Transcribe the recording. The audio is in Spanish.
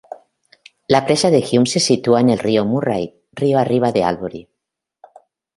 La presa de Hume se sitúa en el río Murray, río arriba de Albury.